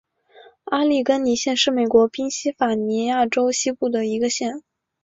阿利根尼县是美国宾夕法尼亚州西部的一个县。